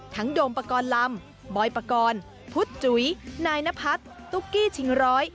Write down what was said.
ทั้งโดมประกอลลำบอยประกอลพุธจุ๋ยนายนพัดตุ๊กกี้ชิงร้อย